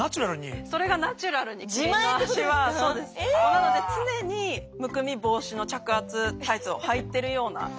なので常にむくみ防止の着圧タイツをはいてるような。